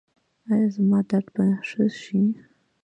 ایا زما درد به ښه شي؟